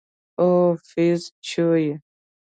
او فيوز چوي.